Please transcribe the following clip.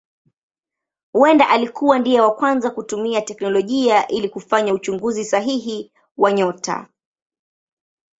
Huenda alikuwa ndiye wa kwanza kutumia teknolojia ili kufanya uchunguzi sahihi wa nyota.